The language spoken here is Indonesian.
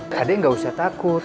kade nggak usah takut